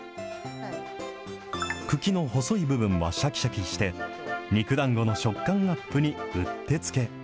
茎の細い部分はしゃきしゃきして、肉だんごの食感アップにうってつけ。